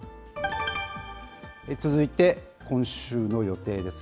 続いて今週の予定です。